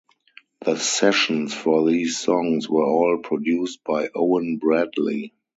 The sessions for these songs were all produced by Owen Bradley.